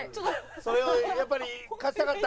それをやっぱり勝ちたかった？